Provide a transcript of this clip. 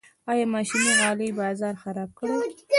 آیا ماشیني غالۍ بازار خراب کړی؟